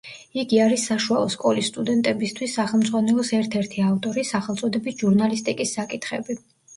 იგი არის საშუალო სკოლის სტუდენტებისთვის სახელმძღვანელოს ერთ-ერთი ავტორი, სახელწოდებით „ჟურნალისტიკის საკითხები“.